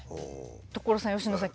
所さん佳乃さん。